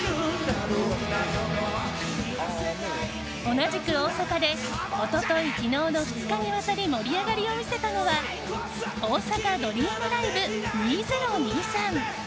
同じく大阪で一昨日、昨日の２日にわたり盛り上がりを見せたのは「ＯＳＡＫＡＤＲＥＡＭＬＩＶＥ２０２３」。